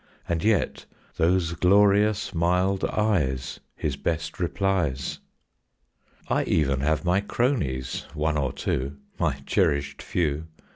And yet those glorious mild eyes, His best replies! I even have my cronies, one or two, My cherished few.